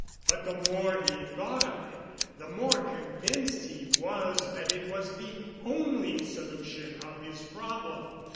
But the more he thought of it, the more convinced he was that it was the only solution of his problem.